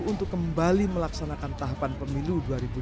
untuk kembali melaksanakan tahapan pemilu dua ribu dua puluh